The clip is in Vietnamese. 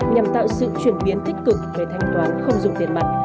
nhằm tạo sự chuyển biến tích cực về thanh toán không dùng tiền mặt